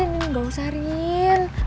ntar ntar gak usah rin